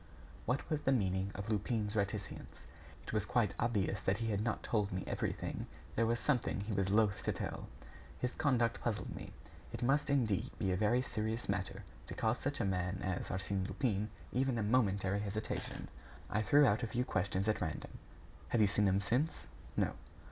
What was the meaning of Lupin's reticence? It was quite obvious that he had not told me everything; there was something he was loath to tell. His conduct puzzled me. It must indeed be a very serious matter to cause such a man as Arsène Lupin even a momentary hesitation. I threw out a few questions at random. "Have you seen them since?" "No."